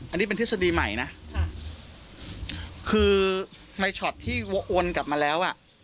อันนี้เป็นทฤษฎีใหม่นะจ้ะคือในช็อตที่โอนกลับมาแล้วอ่ะ